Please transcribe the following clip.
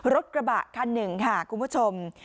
รถกระบะคันหนึ่งค่ะคุณผู้ชม